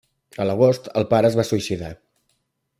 A l'agost el pare es va suïcidar.